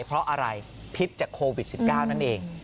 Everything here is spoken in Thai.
เพราะอะไรพิษจากโควิด๑๙นั่นเอง